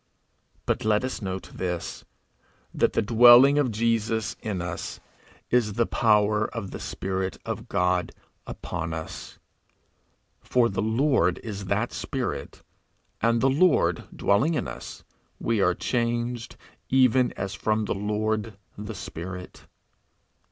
But let us note this, that the dwelling of Jesus in us is the power of the spirit of God upon us; for 'the Lord is that spirit,' and that Lord dwelling in us, we are changed 'even as from the Lord the spirit.'